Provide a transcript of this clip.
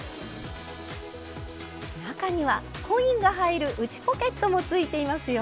中にはコインが入る内ポケットもついていますよ。